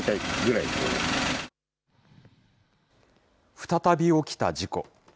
再び起きた事故。